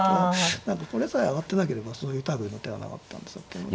何かこれさえ上がってなければそういう類いの手はなかったんでしょうけど。